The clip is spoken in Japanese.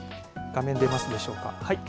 画面、出ますでしょうか。